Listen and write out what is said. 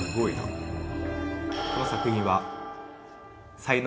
この作品は。